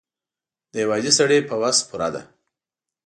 د یو عادي سړي په وس پوره ده.